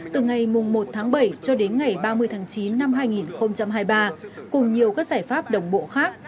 từ ngày một bảy cho đến ngày ba mươi chín hai nghìn hai mươi ba cùng nhiều các giải pháp đồng bộ khác